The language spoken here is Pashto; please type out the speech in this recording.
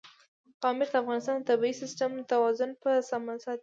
پامیر د افغانستان د طبعي سیسټم توازن په سمه ساتي.